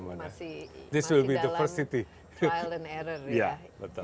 masih dalam trial and error ya